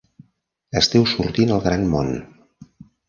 Esteu sortint al gran món.